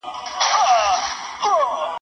هغه وويل چي د کتابتون کتابونه لوستل کول مهم دي؟!